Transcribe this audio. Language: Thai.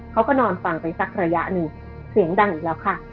เขาก็นอนฟังไปสักระยะหนึ่งเสียงดังอีกแล้วค่ะ